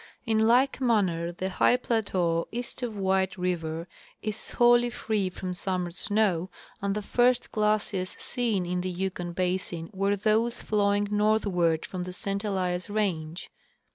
In like manner the high plateau east of White river is wholly free from summer snow, and the first glaciers seen in the Yukon basin were those flowing northward from the St Elias range.